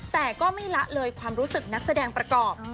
แต่ก็ไม่ละเลยความรู้สึกนักแสดงประกอบ